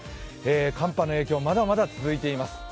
寒波の影響、まだまだ続いています。